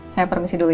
saya permisi dulu ya